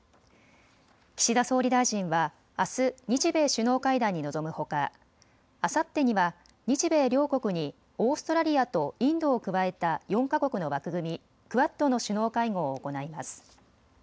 岸田総理大臣はあす日米首脳会談に臨むほか、あさってには日米両国にオーストラリアとインドを加えた４か国の枠組み、クアッドの首脳会合を行います。